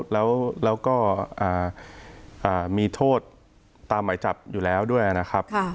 แล้วก็มีโทษตามหมายจับอยู่แล้วด้วยนะครับ